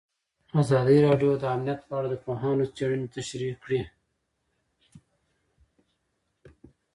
ازادي راډیو د امنیت په اړه د پوهانو څېړنې تشریح کړې.